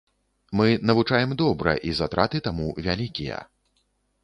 Мы навучаем добра і затраты таму вялікія.